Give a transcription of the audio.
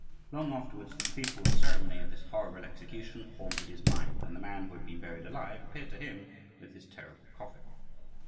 Long afterwards the fearful ceremony of this horrible execution haunted his mind, and the man who had been buried alive appeared to him with his terrible coffin.